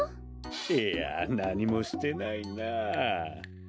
いやなにもしてないなあ。